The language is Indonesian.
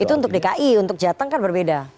itu untuk dki untuk jateng kan berbeda